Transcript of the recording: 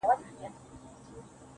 هغې پرون زما د قتل دسيسه جوړه کړه~